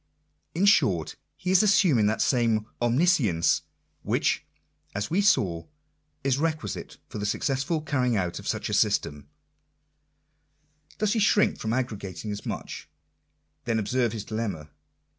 In short, he is assuming that same omniscience, which, as we saw, is requisite for the successful Digitized by VjOOQIC INTRODUCTION. 45 carrying out of such a system. Does he shrink from arrogating as much? Then observe his dilemma.